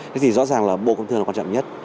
thế thì rõ ràng là bộ công thương là quan trọng nhất